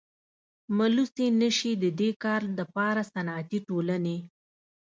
ملوثي نشي ددي کار دپاره صنعتي ټولني.